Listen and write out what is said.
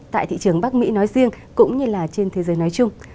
tại thị trường bắc mỹ nói riêng cũng như là trên thế giới nói chung